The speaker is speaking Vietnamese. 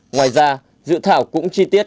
ngoài ra dự thảo cũng chi tiết